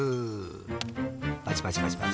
パチパチパチパチ！